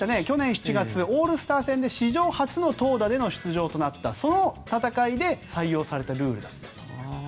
去年７月オールスター戦で史上初の投打での出場となったその戦いで採用されたルールだったと。